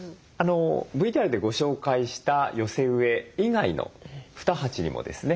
ＶＴＲでご紹介した寄せ植え以外の２鉢にもですね